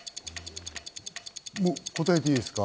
もう答えていいですか？